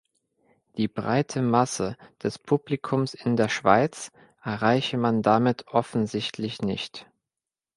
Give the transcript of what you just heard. Die breite Masse des Publikums in der Schweiz erreiche man damit offensichtlich nicht.